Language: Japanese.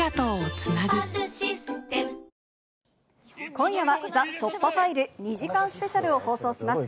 今夜は、ＴＨＥ突破ファイル２時間スペシャルを放送します。